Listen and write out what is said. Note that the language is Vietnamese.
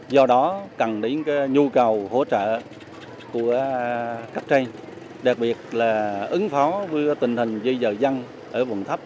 do đó cần đến nhu cầu hỗ trợ của các trang đặc biệt là ứng phó với tình hình dây dở dăng ở vùng thấp